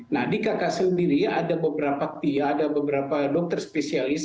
nah di kk sendiri ada beberapa tia ada beberapa dokter spesialis